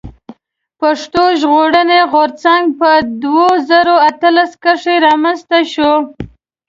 پښتون ژغورني غورځنګ په دوه زره اتلس کښي رامنځته شو.